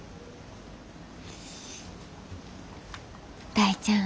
大ちゃん。